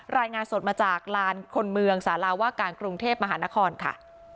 รายงานสดมาจากลานคนเมืองสาราว่าการกรุงเทพมหานครค่ะ